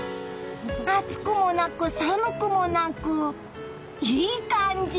暑くもなく寒くもなくいい感じ！